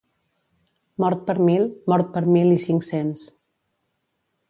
Mort per mil, mort per mil i cinc-cents.